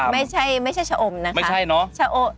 ไม่ใช่ชะอมนะครับไม่ใช่เนอะ